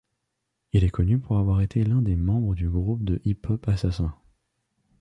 Il est connu pour avoir été l'un des membres du groupe de hip-hop Assassin.